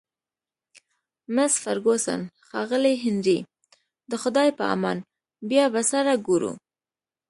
مس فرګوسن: ښاغلی هنري، د خدای په امان، بیا به سره ګورو.